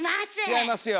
違いますよ。